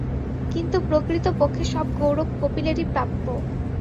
কিন্তু প্রকৃতপক্ষে সব গৌরব কপিলেরই প্রাপ্য।